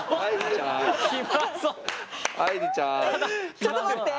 ちょっと待って。